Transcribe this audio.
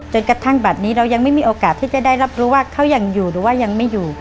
กระทั่งบัตรนี้เรายังไม่มีโอกาสที่จะได้รับรู้ว่าเขายังอยู่หรือว่ายังไม่อยู่